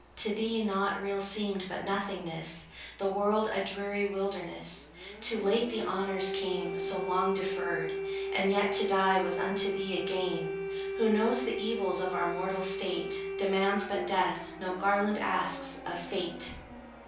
To thee, nought real seemed but nothingness, The world a dreary wilderness. Too late the honors came, so long deferred; And yet, to die was unto thee a gain. Who knows the evils of our mortal state, Demands but death, no garland asks, of Fate.